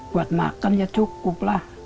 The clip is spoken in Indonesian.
buat makan ya cukup lah